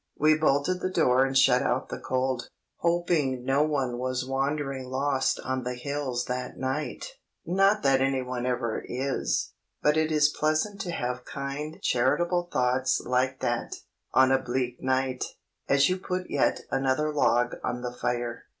We bolted the door and shut out the cold, hoping no one was wandering lost on the hills that night (not that anyone ever is, but it is pleasant to have kind charitable thoughts like that, on a bleak night, as you put yet another log on the fire).